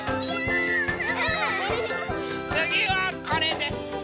つぎはこれです。